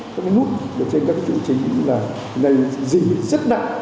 các cái nút ở trên các cái trụ chính là dì rất đặc